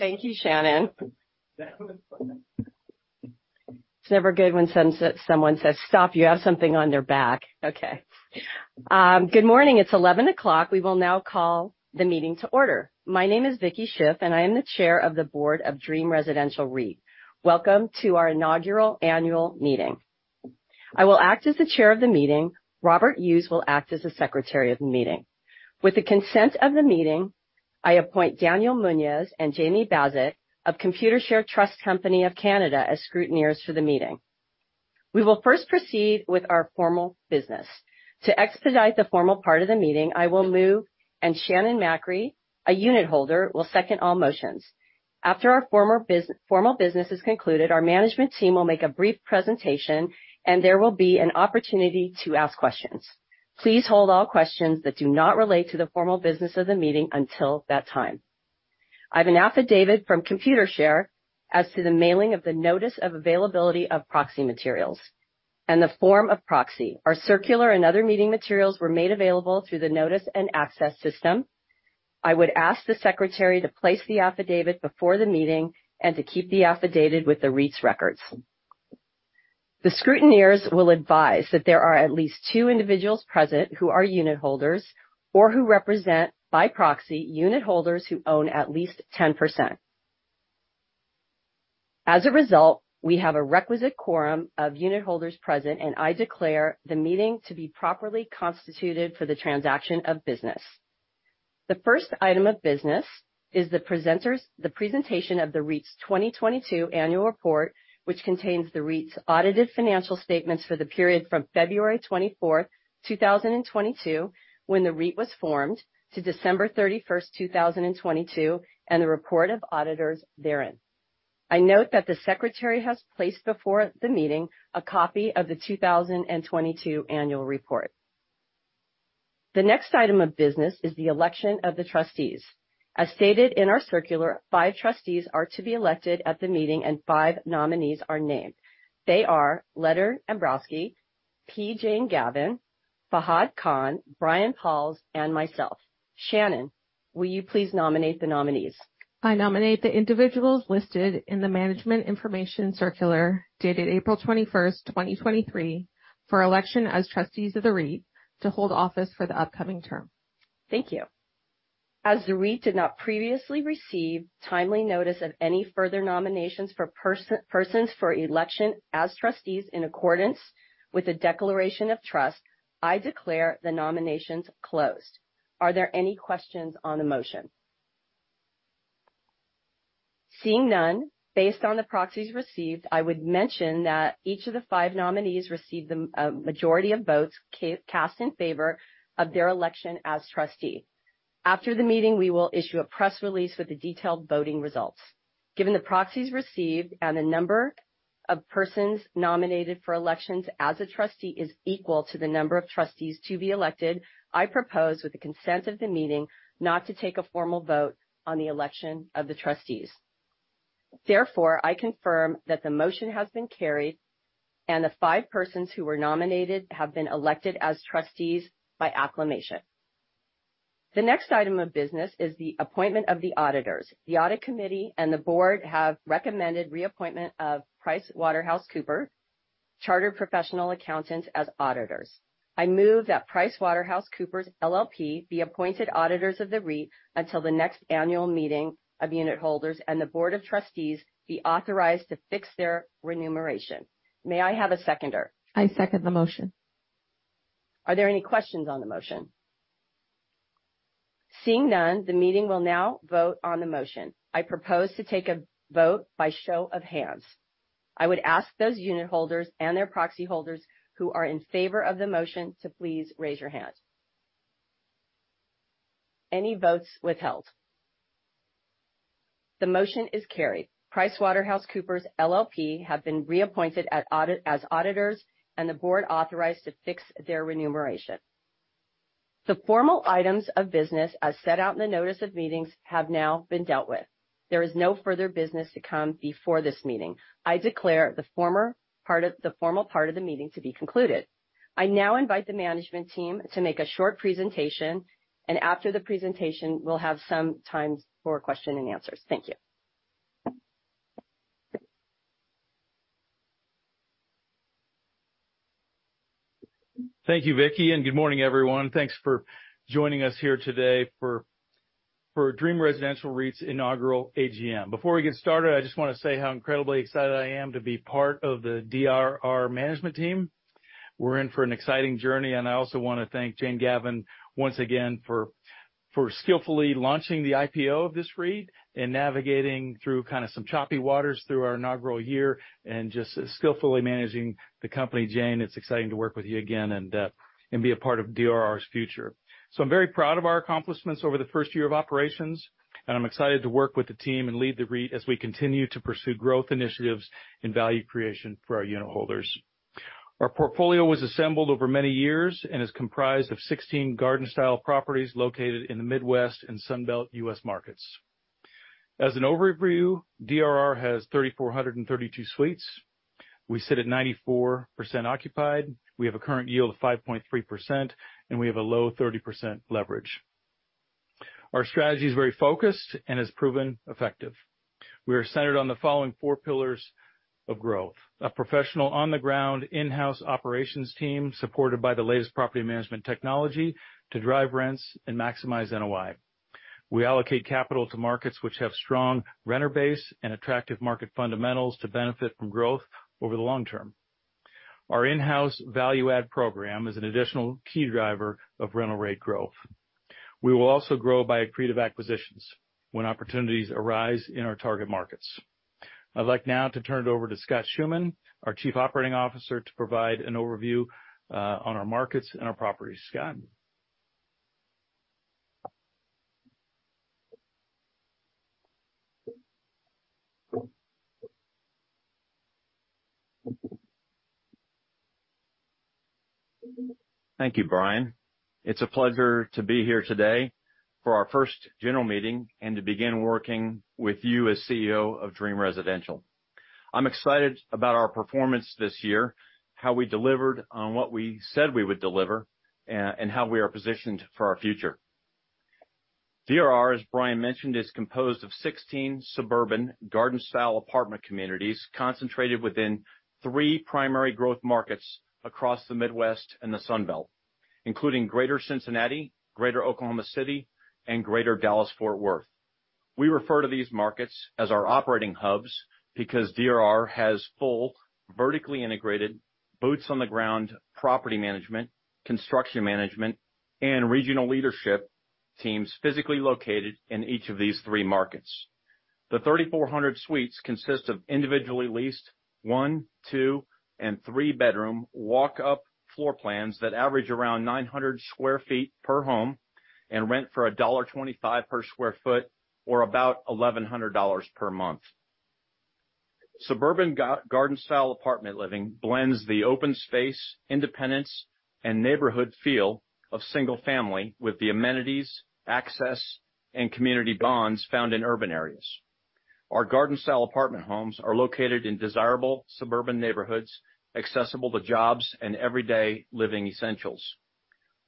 Thank you, Shannon. It's never good when someone says, "Stop, you have something on their back." Good morning. It's 11:00 A.M. We will now call the meeting to order. My name is Vicky Schiff, and I am the Chair of the board of Dream Residential REIT. Welcome to our inaugural annual meeting. I will act as the Chair of the meeting. Robert Hughes will act as the Secretary of the meeting. With the consent of the meeting, I appoint Daniel Munoz and Jamie Bassett of Computershare Trust Company of Canada as Scrutineers for the meeting. We will first proceed with our formal business. To expedite the formal part of the meeting, I will move, and Shannon Macri, a Unitholder, will second all motions. After our formal business is concluded, our management team will make a brief presentation, and there will be an opportunity to ask questions. Please hold all questions that do not relate to the formal business of the meeting until that time. I have an affidavit from Computershare as to the mailing of the notice of availability of proxy materials and the form of proxy. Our circular and other meeting materials were made available through the notice and access system. I would ask the secretary to place the affidavit before the meeting and to keep the affidavit with the REIT's records. The scrutineers will advise that there are at least two individuals present who are unitholders or who represent, by proxy, unitholders who own at least 10%. As a result, we have a requisite quorum of unitholders present, and I declare the meeting to be properly constituted for the transaction of business. The first item of business is the presentation of the REIT's 2022 annual report, which contains the REIT's audited financial statements for the period from February 24th, 2022, when the REIT was formed, to December 31st, 2022, and the report of auditors therein. I note that the secretary has placed before the meeting a copy of the 2022 annual report. The next item of business is the election of the trustees. As stated in our circular, 5 trustees are to be elected at the meeting and five nominees are named. They are Leonard Abramsky, P. Jane Gavan, Fahad Khan, Brian Pauls, and myself. Shannon, will you please nominate the nominees? I nominate the individuals listed in the Management Information Circular, dated April 21st, 2023, for election as trustees of the REIT to hold office for the upcoming term. Thank you. As the REIT did not previously receive timely notice of any further nominations for persons for election as trustees in accordance with the declaration of trust, I declare the nominations closed. Are there any questions on the motion? Seeing none, based on the proxies received, I would mention that each of the five nominees received the majority of votes cast in favor of their election as trustee. After the meeting, we will issue a press release with the detailed voting results. Given the proxies received and the number of persons nominated for elections as a trustee is equal to the number of trustees to be elected, I propose, with the consent of the meeting, not to take a formal vote on the election of the trustees. Therefore, I confirm that the motion has been carried, and the five persons who were nominated have been elected as trustees by acclamation. The next item of business is the appointment of the auditors. The audit committee and the board have recommended reappointment of PricewaterhouseCoopers, Chartered Professional Accountant, as auditors. I move that PricewaterhouseCoopers LLP be appointed auditors of the REIT until the next annual meeting of unitholders and the board of trustees be authorized to fix their remuneration. May I have a seconder? I second the motion. Are there any questions on the motion? Seeing none, the meeting will now vote on the motion. I propose to take a vote by show of hands. I would ask those unitholders and their proxy holders who are in favor of the motion to please raise your hand. Any votes withheld? The motion is carried. PricewaterhouseCoopers LLP have been reappointed at audit, as auditors, and the board authorized to fix their remuneration. The formal items of business, as set out in the notice of meetings, have now been dealt with. There is no further business to come before this meeting. I declare the formal part of the meeting to be concluded. I now invite the management team to make a short presentation, and after the presentation, we'll have some time for question and answers. Thank you. Thank you, Vicky, and good morning, everyone. Thanks for joining us here today for Dream Residential REIT's inaugural AGM. Before we get started, I just want to say how incredibly excited I am to be part of the DRR management team. We're in for an exciting journey, and I also want to thank Jane Gavan once again for skillfully launching the IPO of this REIT and navigating through kind of some choppy waters through our inaugural year and just skillfully managing the company. Jane, it's exciting to work with you again and be a part of DRR's future. I'm very proud of our accomplishments over the first year of operations, and I'm excited to work with the team and lead the REIT as we continue to pursue growth initiatives and value creation for our unitholders. Our portfolio was assembled over many years and is comprised of 16 garden-style properties located in the Midwest and Sunbelt U.S. markets. As an overview, DRR has 3,432 suites. We sit at 94% occupied. We have a current yield of 5.3%. We have a low 30% leverage. Our strategy is very focused and has proven effective. We are centered on the following four pillars of growth. A professional, on-the-ground, in-house operations team, supported by the latest property management technology to drive rents and maximize NOI. We allocate capital to markets which have strong renter base and attractive market fundamentals to benefit from growth over the long term. Our in-house value-add program is an additional key driver of rental rate growth. We will also grow by accretive acquisitions when opportunities arise in our target markets. I'd like now to turn it over to Scott Schoeman, our Chief Operating Officer, to provide an overview on our markets and our properties. Scott? Thank you, Brian. It's a pleasure to be here today for our first general meeting and to begin working with you as CEO of Dream Residential. I'm excited about our performance this year, how we delivered on what we said we would deliver, and how we are positioned for our future. DRR, as Brian mentioned, is composed of 16 suburban garden-style apartment communities, concentrated within three primary growth markets across the Midwest and the Sun Belt, including Greater Cincinnati, Greater Oklahoma City, and Greater Dallas-Fort Worth. We refer to these markets as our operating hubs because DRR has full, vertically integrated, boots-on-the-ground, property management, construction management, and regional leadership teams physically located in each of these three markets. The 3,400 suites consist of individually leased one, two, and three-bedroom walk-up floor plans that average around 900 sq ft per home and rent for $1.25 per sq ft or about $1,100 per month. Suburban garden-style apartment living blends the open space, independence, and neighborhood feel of single family with the amenities, access, and community bonds found in urban areas. Our garden-style apartment homes are located in desirable suburban neighborhoods, accessible to jobs and everyday living essentials.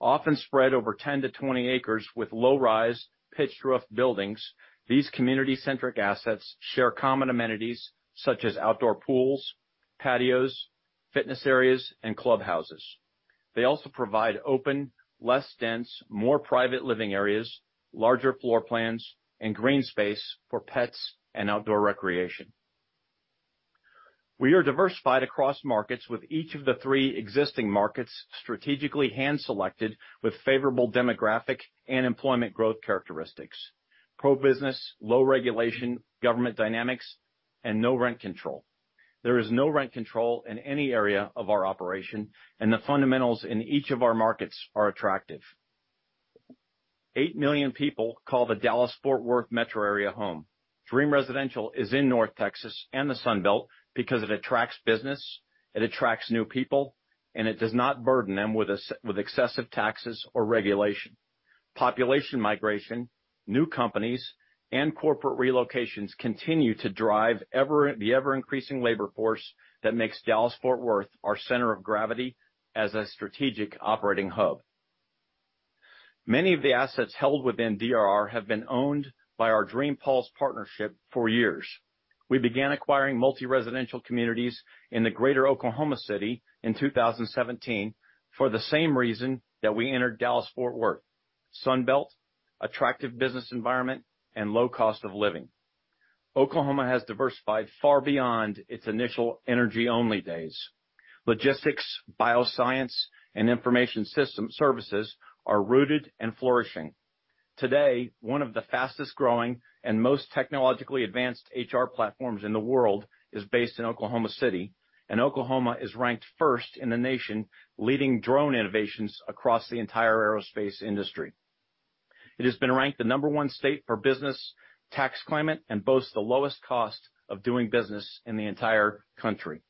Often spread over 10 acres-20 acres with low-rise pitch roof buildings, these community-centric assets share common amenities such as outdoor pools, patios, fitness areas, and clubhouses. They also provide open, less dense, more private living areas, larger floor plans, and green space for pets and outdoor recreation. We are diversified across markets, with each of the three existing markets strategically hand-selected with favorable demographic and employment growth characteristics, pro-business, low regulation, government dynamics, and no rent control. There is no rent control in any area of our operation, and the fundamentals in each of our markets are attractive. 8 million people call the Dallas-Fort Worth metro area home. Dream Residential is in North Texas and the Sun Belt because it attracts business, it attracts new people, and it does not burden them with excessive taxes or regulation. Population migration, new companies, and corporate relocations continue to drive the ever-increasing labor force that makes Dallas-Fort Worth our center of gravity as a strategic operating hub. Many of the assets held within DRR have been owned by our Dream Plus Partnership for years. We began acquiring multi-residential communities in the Greater Oklahoma City in 2017 for the same reason that we entered Dallas-Fort Worth: Sun Belt, attractive business environment, and low cost of living. Oklahoma has diversified far beyond its initial energy-only days. Logistics, bioscience, and information system services are rooted and flourishing. Today, one of the fastest-growing and most technologically advanced HR platforms in the world is based in Oklahoma City, and Oklahoma is ranked first in the nation, leading drone innovations across the entire aerospace industry. It has been ranked the number one state for business tax climate and boasts the lowest cost of doing business in the entire country.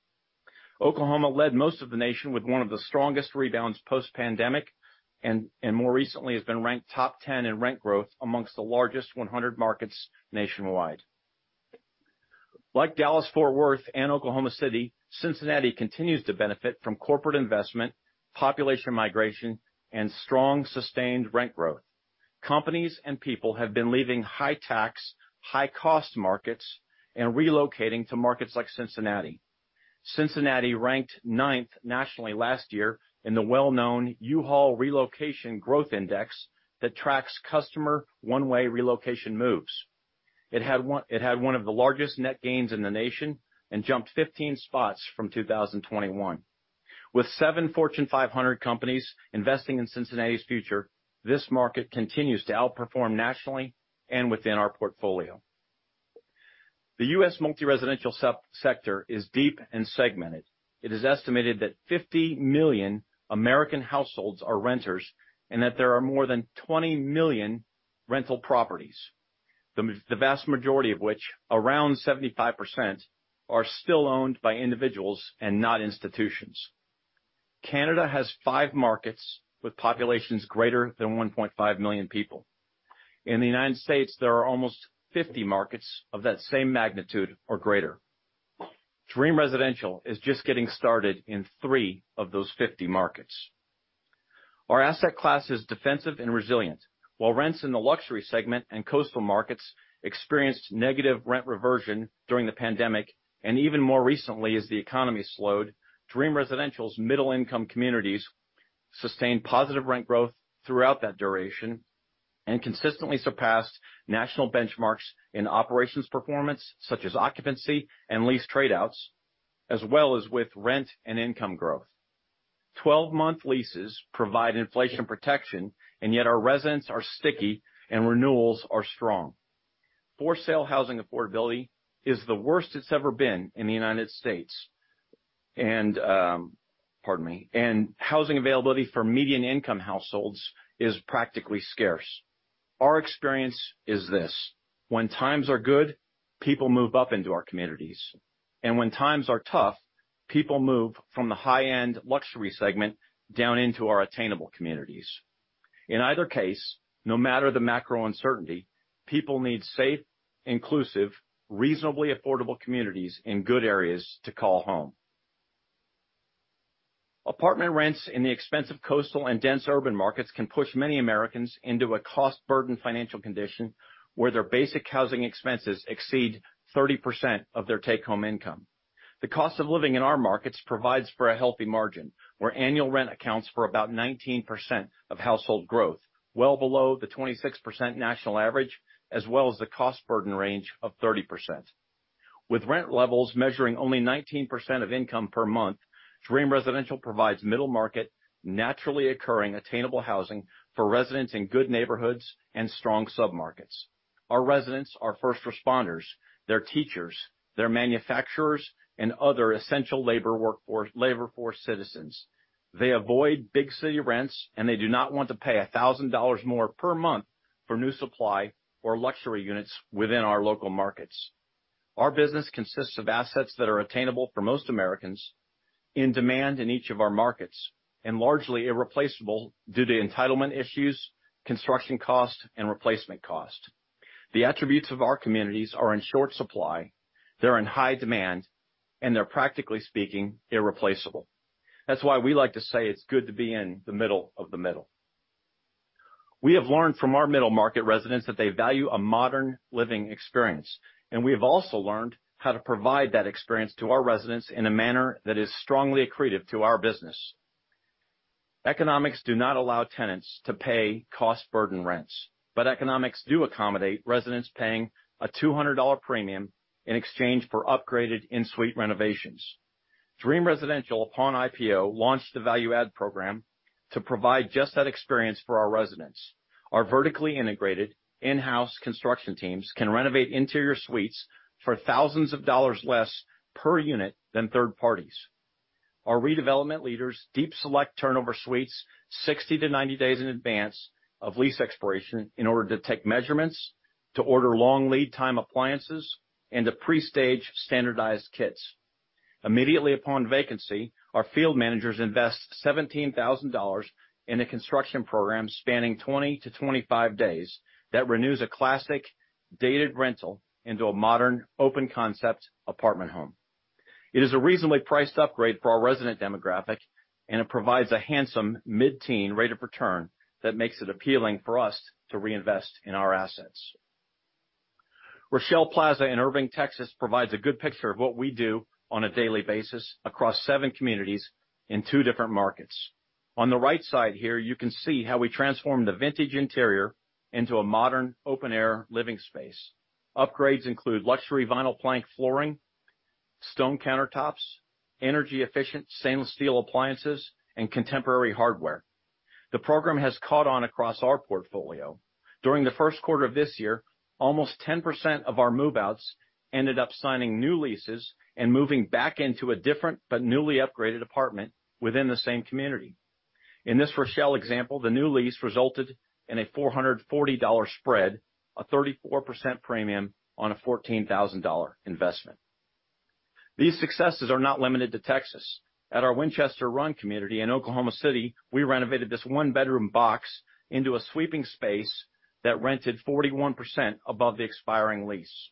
Oklahoma led most of the nation with one of the strongest rebounds post-pandemic, and more recently, has been ranked top 10 in rent growth amongst the largest 100 markets nationwide. Like Dallas-Fort Worth and Oklahoma City, Cincinnati continues to benefit from corporate investment, population migration, and strong, sustained rent growth. Companies and people have been leaving high-tax, high-cost markets and relocating to markets like Cincinnati. Cincinnati ranked ninth nationally last year in the well-known U-Haul Relocation Growth Index that tracks customer one-way relocation moves. It had one of the largest net gains in the nation and jumped 15 spots from 2021. With seven Fortune 500 companies investing in Cincinnati's future, this market continues to outperform nationally and within our portfolio. The U.S. multi-residential sector is deep and segmented. It is estimated that 50 million American households are renters, and that there are more than 20 million rental properties, the vast majority of which, around 75%, are still owned by individuals and not institutions. Canada has five markets with populations greater than 1.5 million people. In the United States, there are almost 50 markets of that same magnitude or greater. Dream Residential is just getting started in three of those 50 markets. Our asset class is defensive and resilient. While rents in the luxury segment and coastal markets experienced negative rent reversion during the pandemic, and even more recently as the economy slowed, Dream Residential's middle-income communities sustained positive rent growth throughout that duration, and consistently surpassed national benchmarks in operations performance, such as occupancy and lease trade-outs, as well as with rent and income growth. 12-month leases provide inflation protection, and yet our residents are sticky, and renewals are strong. For-sale housing affordability is the worst it's ever been in the United States, and, pardon me, and housing availability for median income households is practically scarce. Our experience is this: When times are good, people move up into our communities, and when times are tough, people move from the high-end luxury segment down into our attainable communities. In either case, no matter the macro uncertainty, people need safe, inclusive, reasonably affordable communities in good areas to call home. Apartment rents in the expensive coastal and dense urban markets can push many Americans into a cost-burdened financial condition, where their basic housing expenses exceed 30% of their take-home income. The cost of living in our markets provides for a healthy margin, where annual rent accounts for about 19% of household growth, well below the 26% national average, as well as the cost burden range of 30%. With rent levels measuring only 19% of income per month, Dream Residential provides middle market, naturally occurring, attainable housing for residents in good neighborhoods and strong submarkets. Our residents are first responders, they're teachers, they're manufacturers, and other essential labor workforce, labor force citizens. They do not want to pay $1,000 more per month for new supply or luxury units within our local markets. Our business consists of assets that are attainable for most Americans, in demand in each of our markets, and largely irreplaceable due to entitlement issues, construction cost, and replacement cost. The attributes of our communities are in short supply, they're in high demand, and they're, practically speaking, irreplaceable. That's why we like to say it's good to be in the middle of the middle. We have learned from our middle-market residents that they value a modern living experience. We have also learned how to provide that experience to our residents in a manner that is strongly accretive to our business. Economics do not allow tenants to pay cost-burden rents. Economics do accommodate residents paying a $200 premium in exchange for upgraded in-suite renovations. Dream Residential, upon IPO, launched the value-add program to provide just that experience for our residents. Our vertically integrated in-house construction teams can renovate interior suites for thousands of dollars less per unit than third parties. Our redevelopment leaders deep select turnover suites 60 days-90 days in advance of lease expiration in order to take measurements, to order long lead time appliances, and to pre-stage standardized kits. Immediately upon vacancy, our field managers invest $17,000 in a construction program spanning 20 days-25 days, that renews a classic dated rental into a modern, open-concept apartment home. It is a reasonably priced upgrade for our resident demographic. It provides a handsome mid-teen rate of return that makes it appealing for us to reinvest in our assets. Rochelle Plaza in Irving, Texas, provides a good picture of what we do on a daily basis across seven communities in two different markets. On the right side here, you can see how we transformed the vintage interior into a modern, open-air living space. Upgrades include luxury vinyl plank flooring, stone countertops, energy-efficient stainless steel appliances, and contemporary hardware. The program has caught on across our portfolio. During the first quarter of this year, almost 10% of our move-outs ended up signing new leases and moving back into a different but newly upgraded apartment within the same community. In this Rochelle example, the new lease resulted in a $440 spread, a 34% premium on a $14,000 investment. These successes are not limited to Texas. At our Winchester Run community in Oklahoma City, we renovated this one-bedroom box into a sweeping space that rented 41% above the expiring lease.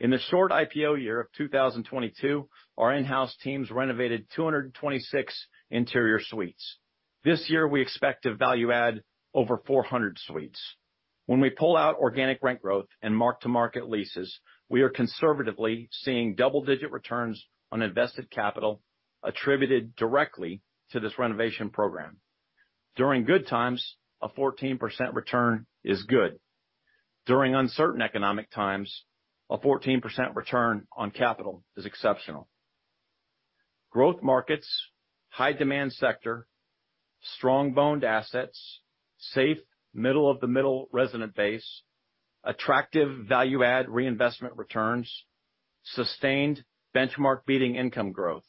In the short IPO year of 2022, our in-house teams renovated 226 interior suites. This year, we expect to value-add over 400 suites. When we pull out organic rent growth and mark-to-market leases, we are conservatively seeing double-digit returns on invested capital, attributed directly to this renovation program. During good times, a 14% return is good. During uncertain economic times, a 14% return on capital is exceptional. Growth markets, high demand sector, strong-boned assets, safe, middle-of-the-middle resident base, attractive value-add reinvestment returns, sustained benchmark-beating income growth.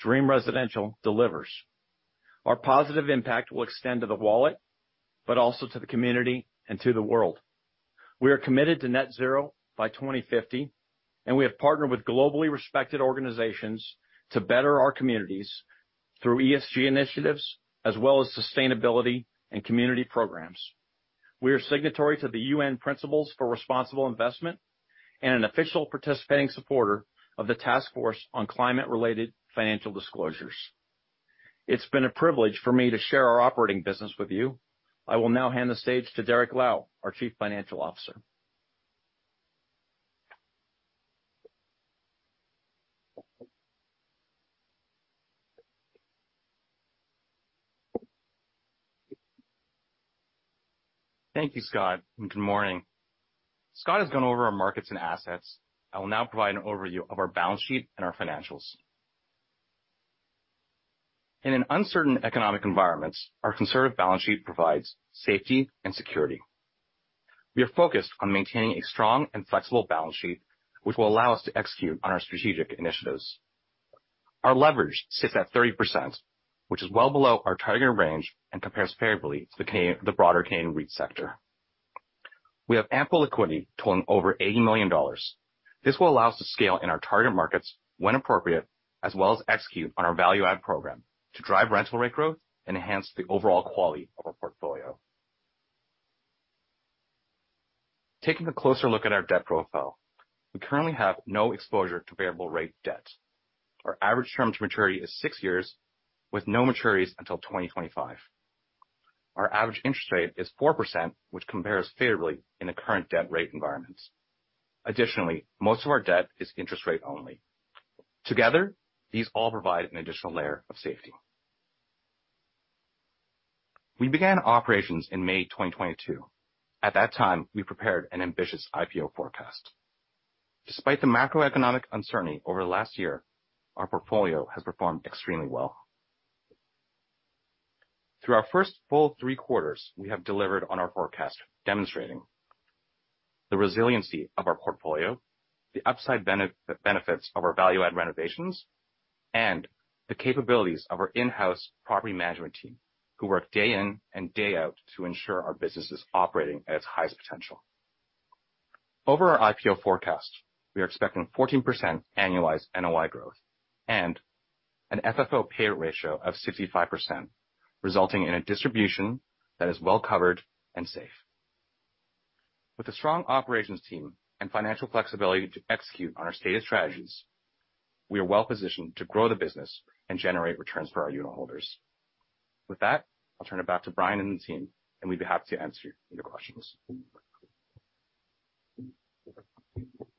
Dream Residential delivers. Our positive impact will extend to the wallet, but also to the community and to the world. We are committed to net zero by 2050, and we have partnered with globally respected organizations to better our communities through ESG initiatives as well as sustainability and community programs. We are signatory to the UN Principles for Responsible Investment and an official participating supporter of the Task Force on Climate-related Financial Disclosures. It's been a privilege for me to share our operating business with you. I will now hand the stage to Derrick Lau, our Chief Financial Officer. Thank you, Scott. Good morning. Scott has gone over our markets and assets. I will now provide an overview of our balance sheet and our financials. In an uncertain economic environments, our conservative balance sheet provides safety and security. We are focused on maintaining a strong and flexible balance sheet, which will allow us to execute on our strategic initiatives. Our leverage sits at 30%, which is well below our target range and compares favorably to the broader Canadian REIT sector. We have ample liquidity totaling over $80 million. This will allow us to scale in our target markets when appropriate, as well as execute on our value-add program to drive rental rate growth and enhance the overall quality of our portfolio. Taking a closer look at our debt profile, we currently have no exposure to variable rate debt. Our average term to maturity is six years, with no maturities until 2025. Our average interest rate is 4%, which compares favorably in the current debt rate environments. Additionally, most of our debt is interest rate only. Together, these all provide an additional layer of safety. We began operations in May 2022. At that time, we prepared an ambitious IPO forecast. Despite the macroeconomic uncertainty over the last year, our portfolio has performed extremely well. Through our first full three quarters, we have delivered on our forecast, demonstrating the resiliency of our portfolio, the benefits of our value-add renovations, and the capabilities of our in-house property management team, who work day in and day out to ensure our business is operating at its highest potential. Over our IPO forecast, we are expecting 14% annualized NOI growth and an FFO payout ratio of 65%, resulting in a distribution that is well covered and safe. With a strong operations team and financial flexibility to execute on our stated strategies, we are well positioned to grow the business and generate returns for our unitholders. With that, I'll turn it back to Brian and the team, and we'd be happy to answer your questions.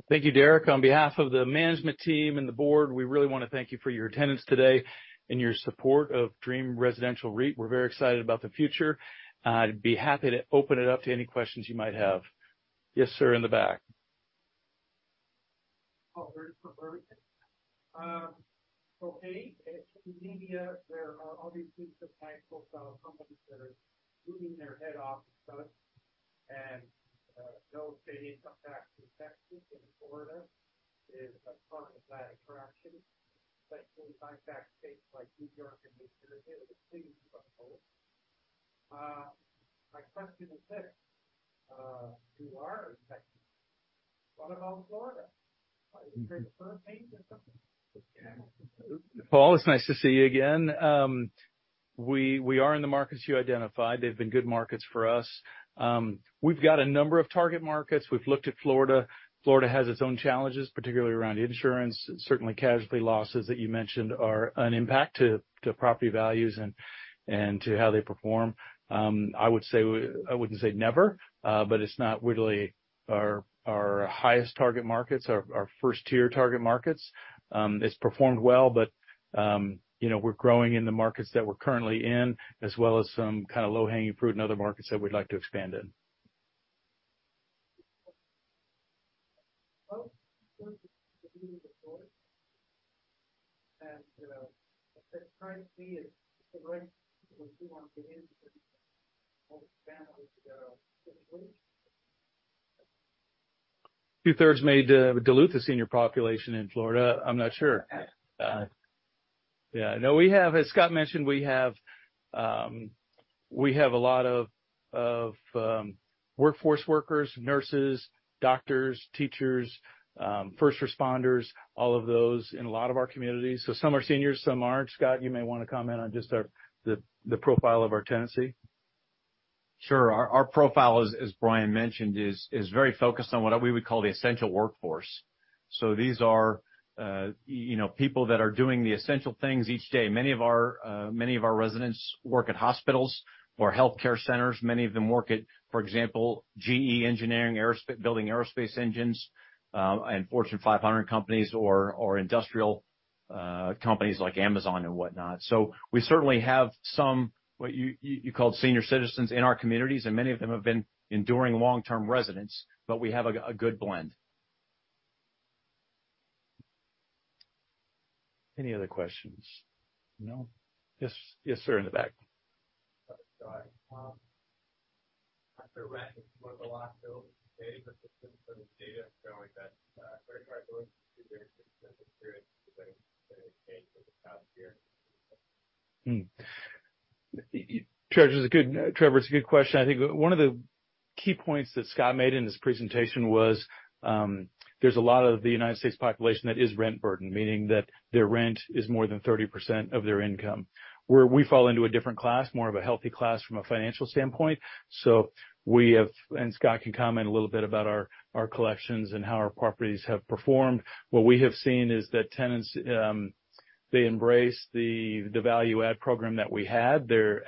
Thank you, Derrick. On behalf of the management team and the board, we really want to thank you for your attendance today and your support of Dream Residential REIT. We're very excited about the future. I'd be happy to open it up to any questions you might have. Yes, sir, in the back. Hey, in media, there are obviously some types of companies that are losing their head office, those getting come back to Texas and Florida is a part of that attraction. In fact, states like New York and New Jersey are the cities of the coast. My question is this, you are in Texas. What about Florida? Are you afraid of hurricanes or something? Paul, it's nice to see you again. We are in the markets you identified. They've been good markets for us. We've got a number of target markets. We've looked at Florida. Florida has its own challenges, particularly around insurance. Certainly, casualty losses that you mentioned are an impact to property values and to how they perform. I would say I wouldn't say never, but it's not really our highest target markets, our first tier target markets. It's performed well, but, you know, we're growing in the markets that we're currently in, as well as some kind of low-hanging fruit in other markets that we'd like to expand in. Well, the reason for and, you know, trying to see is the right people who want to get into families to go. Two-thirds made Duluth, the senior population in Florida. I'm not sure. Yeah, no, we have, as Scott mentioned, we have a lot of workforce workers, nurses, doctors, teachers, first responders, all of those in a lot of our communities. Some are seniors, some aren't. Scott, you may want to comment on just our the profile of our tenancy. Sure. Our profile, as Brian mentioned, is very focused on what we would call the essential workforce. These are, you know, people that are doing the essential things each day. Many of our residents work at hospitals or healthcare centers. Many of them work at, for example, GE Engineering, Aerospace, building aerospace engines, and Fortune 500 companies or industrial companies like Amazon and whatnot. We certainly have some, what you called senior citizens in our communities, and many of them have been enduring long-term residents, but we have a good blend. Any other questions? No. Yes. Yes, sir, in the back. Sorry. After rent for the last build for the data showing that, very hard to there is a good Trevor, it's a good question. I think one of the key points that Scott made in his presentation was, there's a lot of the United States population that is rent burdened, meaning that their rent is more than 30% of their income, where we fall into a different class, more of a healthy class from a financial standpoint. We have, and Scott can comment a little bit about our collections and how our properties have performed. What we have seen is that tenants, they embrace the value-add program that we had. They're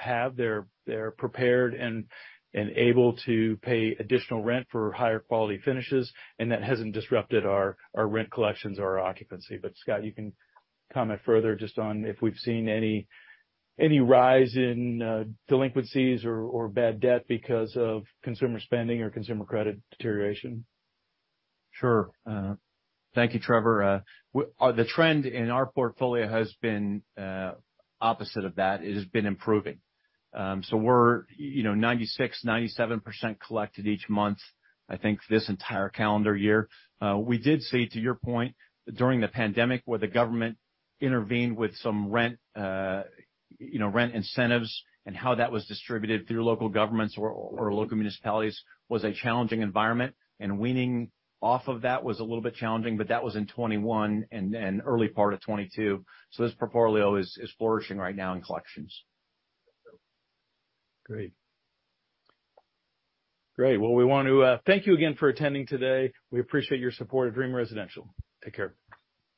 prepared and able to pay additional rent for higher quality finishes, and that hasn't disrupted our rent collections or our occupancy. Scott, you can comment further just on if we've seen any rise in delinquencies or bad debt because of consumer spending or consumer credit deterioration. Sure. Thank you, Trevor. The trend in our portfolio has been opposite of that. It has been improving. So we're, you know, 96%, 97% collected each month, I think, this entire calendar year. We did see, to your point, during the pandemic, where the government intervened with some rent, you know, rent incentives and how that was distributed through local governments or local municipalities, was a challenging environment, and weaning off of that was a little bit challenging, but that was in 2021 and early part of 2022. This portfolio is flourishing right now in collections. Great. Great. Well, we want to thank you again for attending today. We appreciate your support of Dream Residential. Take care.